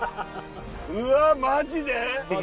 うわマジで！？